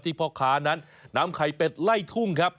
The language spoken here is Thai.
พ่อค้านั้นนำไข่เป็ดไล่ทุ่งครับ